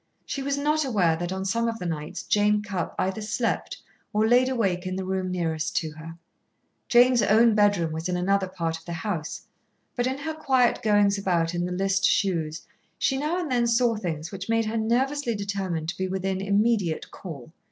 She was not aware that on some of the nights Jane Cupp either slept or laid awake in the room nearest to her. Jane's own bedroom was in another part of the house, but in her quiet goings about in the list shoes she now and then saw things which made her nervously determined to be within immediate call.